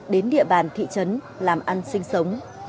đến địa bàn thị trấn làm ăn sinh sống